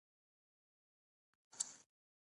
ایا زه باید کوکا کولا وڅښم؟